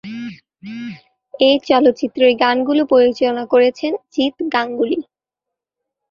এই চলচ্চিত্রের গানগুলো পরিচালনা করেছেন জিৎ গাঙ্গুলী।